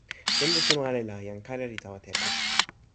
tenpo suno ale la, jan kala li tawa telo.